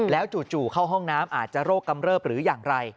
แล้วจู่เข้าห้องน้ำอาจจะโรคกำเริบหรืออย่างไร